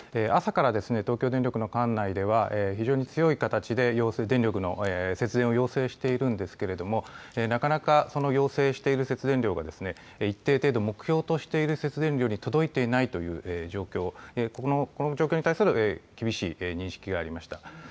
朝から東京電力の管内では非常に強い形で節電を要請しているんですけれどもなかなか要請している節電量が一定程度、目標としている節電量に届いていないという状況、この状況に対する厳しい認識がありました。